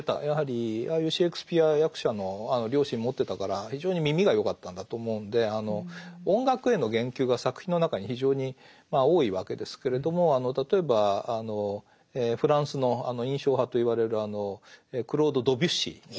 やはりああいうシェークスピア役者の両親持ってたから非常に耳がよかったんだと思うんで音楽への言及が作品の中に非常に多いわけですけれども例えばフランスの印象派と言われるクロード・ドビュッシー。